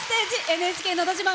「ＮＨＫのど自慢」